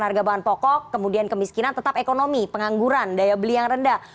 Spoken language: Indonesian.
harga bahan pokok kemudian kemiskinan tetap ekonomi pengangguran daya beli yang rendah